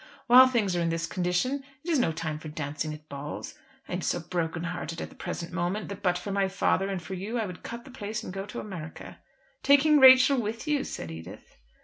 While things are in this condition it is no time for dancing at balls. I am so broken hearted at the present moment that but for my father and for you I would cut the place and go to America." "Taking Rachel with you?" said Edith.